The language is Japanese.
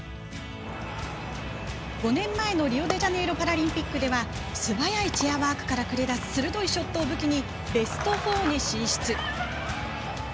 ５年前のリオデジャネイロパラリンピックでは素早いチェアワークから繰り出す鋭いショット武器にベスト４に進出。